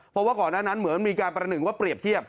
เพราะว่าก่อนหน้านั้นเหมือนมีการประหนึ่งว่าเปรียบเทียบ